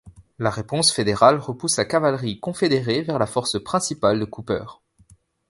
La réponse fédérale repousse la cavalerie confédérée vers la force principale de Cooper.